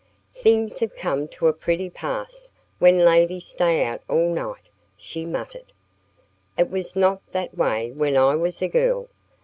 "Things have come to a pretty pass when ladies stay out all night!" she muttered. "It was not that way when I was a girl.